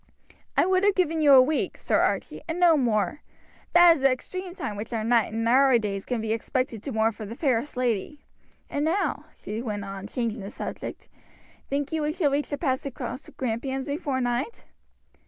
"I would have given you a week, Sir Archie, and no more; that is the extreme time which a knight in our days can be expected to mourn for the fairest lady; and now," she went on, changing the subject, "think you we shall reach the pass across the Grampians before night?"